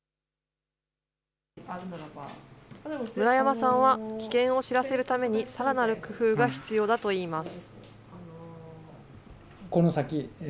村山さんは危険を知らせるために、さらなる工夫が必要だといいます。